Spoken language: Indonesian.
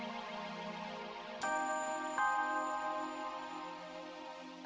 aku sudah tahu